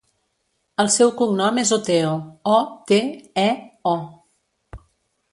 El seu cognom és Oteo: o, te, e, o.